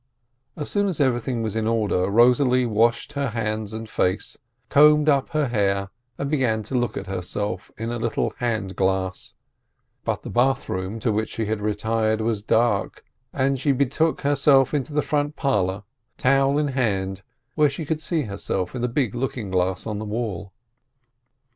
As soon as everything was in order, Rosalie washed her face and hands, combed up her hair, and began to look 314 TASHKAK at herself in a little hand glass, but the bath room, to which she had retired, was dark, and she betook herself back into the front parlor, towel in hand, where she could see herself in the big looking glass on the wall.